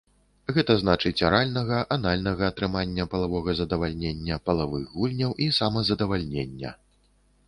Гэта значыць аральнага, анальнага атрымання палавога задавальнення, палавых гульняў і самазадавальнення.